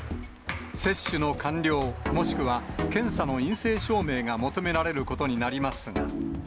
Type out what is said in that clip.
接種の完了、もしくは、検査の陰性証明が求められることになりますが。